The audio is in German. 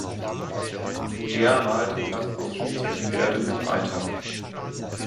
Er malte fast ausschließlich Pferde mit Reitern.